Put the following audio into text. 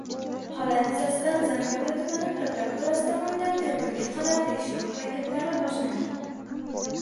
Holat yuzasidan Zangiota tumani prokuraturasi tomonidan tergovga qadar tekshiruv harakatlari boshlangan.